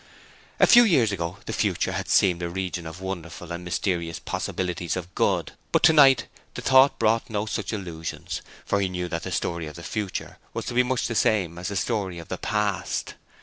A few years ago the future had seemed a region of wonderful and mysterious possibilities of good, but tonight the thought brought no such illusions, for he knew that the story of the future was to be much the same as the story of the past.